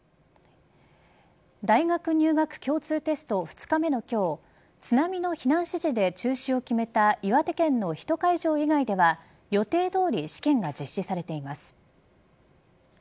大学入学共通テスト２日目の今日津波の避難指示で中止を決めた岩手県の１会場以外では予定どおり試験が実施されています。